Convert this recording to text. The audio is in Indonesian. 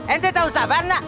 ente tau sabar enggak